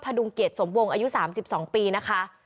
พดุงเกตสมวงอายุ๓๒ปีนะคะ